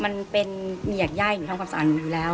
มันเป็นเหงียกไย้อย่างที่ทำความสะอาดอยู่แล้ว